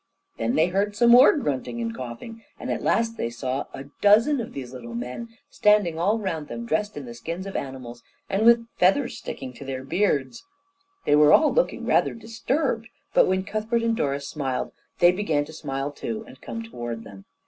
Then they heard some more grunting and coughing, and at last they saw a dozen of these little men standing all round them, dressed in the skins of animals, and with feathers sticking to their beards. They were all looking rather disturbed, but when Cuthbert and Doris smiled they began to smile too and come toward them.